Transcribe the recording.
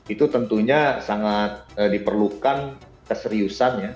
itu tentunya sangat diperlukan keseriusan ya